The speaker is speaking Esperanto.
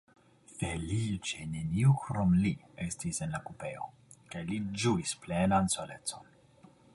Feliĉe neniu krom li estis en la kupeo, kaj li ĝuis plenan solecon.